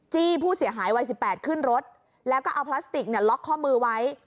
ผู้เสียหายวัย๑๘ขึ้นรถแล้วก็เอาพลาสติกล็อกข้อมือไว้